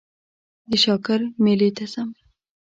د شاکار مېلې ته ځم.